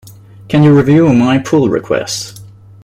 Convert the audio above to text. Can you review my pull request?